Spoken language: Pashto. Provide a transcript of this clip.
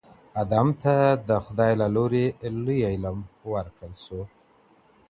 ادم ته د خدای له لوري لوی علم ورکړل سو.